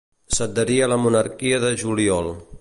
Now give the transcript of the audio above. S'adherí a la Monarquia de Juliol.